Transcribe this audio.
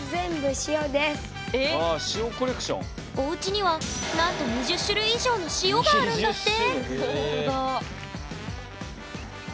おうちにはなんと２０種類以上の「塩」があるんだって！